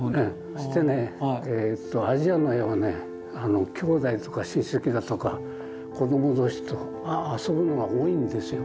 そしてねアジアの絵はねきょうだいとか親戚だとか子ども同士と遊ぶのが多いんですよ。